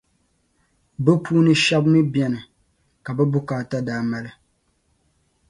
bɛ puuni shεba mi beni ka bɛ bukaata daa mali